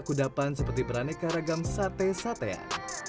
kudapan seperti beraneka ragam sate satean